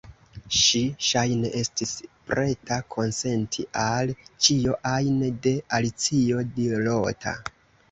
Ŝi ŝajne estis preta konsenti al ĉio ajn de Alicio dirota.